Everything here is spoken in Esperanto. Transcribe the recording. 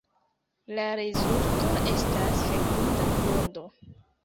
La rezulto estas fekunda grundo.